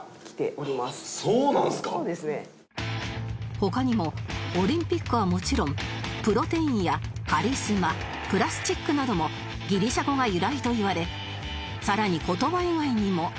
他にもオリンピックはもちろんプロテインやカリスマプラスチックなどもギリシャ語が由来といわれさらに言葉以外にも